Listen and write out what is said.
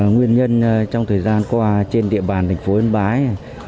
nguyên nhân trong thời gian qua trên địa bàn thành phố yên bái